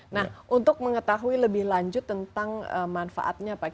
nah untuk mengetahui lebih lanjut tentang manfaatnya pak